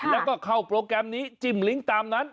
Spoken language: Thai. แล้วก็เข้าโปรแกรมนี้จิ้มลิงก์ตามนั้น